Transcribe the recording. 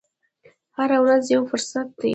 هره ورځ یو فرصت دی.